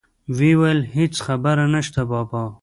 ويې ويل هېڅ خبره نشته بابا.